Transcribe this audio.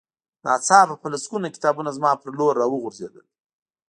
ناڅاپه په لسګونه کتابونه زما په لور را وغورځېدل